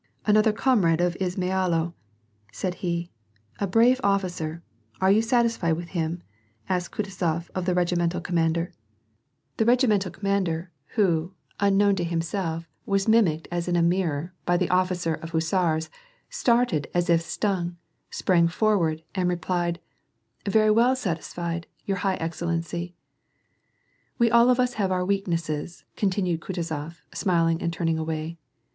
" Another comrade of Izmailo !" said he. " A brave officer ! Are you satisfied with him? " asked Kutuzof of the regimental commander. The regimental commander, who, unknown to himself was WAR Ai\D PEACE. 137 mimicked as in a mirror by the officer of hussars, started as if stung, sprang forward and replied, — *Very well satisfied, your high excellency."* " We all of us have our weaknesses." continued Kutuzof, smiling and turning away.